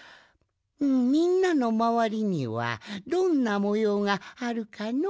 みんなのまわりにはどんなもようがあるかのう？